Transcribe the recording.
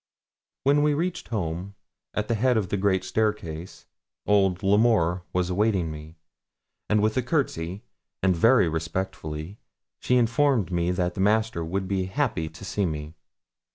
When we reached home, at the head of the great staircase old L'Amour was awaiting me; and with a courtesy, and very respectfully, she informed me that the Master would be happy to see me.